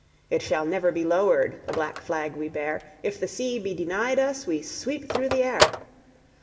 It shall never be lowered, the black flag we bear; If the sea be denied us, we sweep through the air.